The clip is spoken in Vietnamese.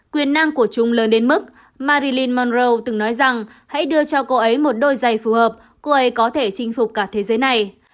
quyền năng của chúng lớn đến mức marilin monro từng nói rằng hãy đưa cho cô ấy một đôi giày phù hợp cô ấy có thể chinh phục cả thế giới này